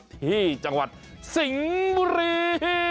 ที่จังหวัดสิงห์บุรี